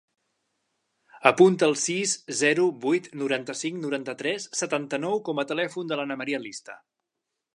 Apunta el sis, zero, vuit, noranta-cinc, noranta-tres, setanta-nou com a telèfon de l'Ana maria Lista.